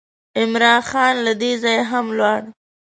عمرا خان له دې ځایه هم ولاړ.